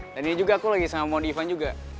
dan ini juga aku lagi sama mondi ivan juga